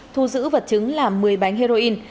thu giữ vật chứng làm một mươi bánh heroin